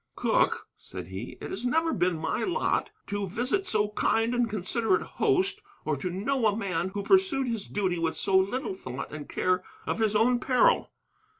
"Cooke," said he, "it has never been my lot to visit so kind and considerate a host, or to know a man who pursued his duty with so little thought and care of his own peril.